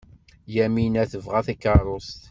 Yamina tebɣa takeṛṛust.